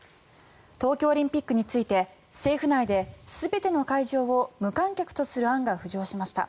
東京オリンピックについて政府内で全ての会場を無観客とする案が浮上しました。